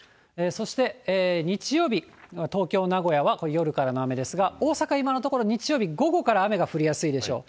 そして日曜日、東京、名古屋は、これ、夜からの雨ですが、大阪、今のところ、日曜日午後から雨が降りやすいでしょう。